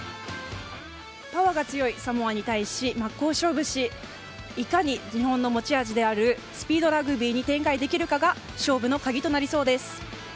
パワーが強いサモアに対し真っ向勝負しいかに日本の持ち味であるスピードラグビーに展開できるかが勝負の鍵となりそうです。